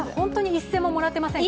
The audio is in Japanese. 一円ももらってませんか？